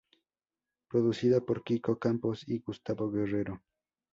Producida por Kiko Campos y Gustavo Guerrero.